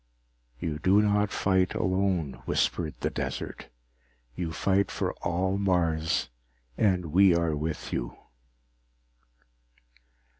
You do not fight alone, whispered the desert. _You fight for all Mars, and we are with you.